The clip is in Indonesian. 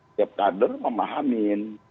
setiap kader memahamin